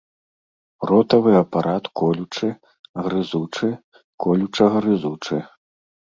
Ротавы апарат колючы, грызучы, колюча-грызучы.